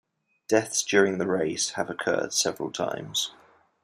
Deaths during the race have occurred several times.